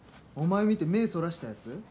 お前見て目そらしたやつ？